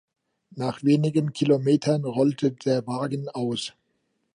Nach wenigen Kilometern rollte der Wagen aus.